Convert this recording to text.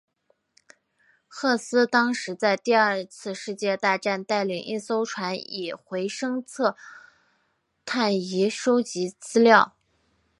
赫斯当时在第二次世界大战带领一艘船以回声测深仪收集资料。